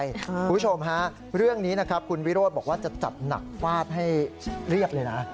คุณผู้ชมฮะเรื่องนี้นะครับคุณวิโรธบอกว่าจะจัดหนักฟาดให้เรียบเลยนะ